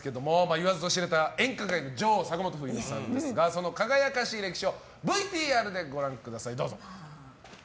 言わずと知れた演歌界の女王坂本冬美さんですがその輝かしい歴史をＶＴＲでご覧ください。